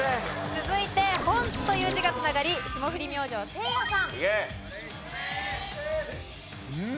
続いて「本」という字が繋がり霜降り明星せいやさん。